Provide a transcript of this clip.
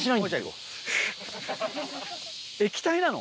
液体なの？